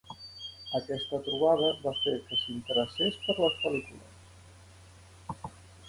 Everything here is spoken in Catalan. Aquesta trobada va fer que s'interessés per les pel·lícules.